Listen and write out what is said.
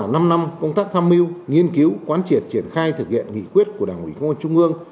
năm năm công tác tham mưu nghiên cứu quán triệt triển khai thực hiện nghị quyết của đảng ủy công an trung ương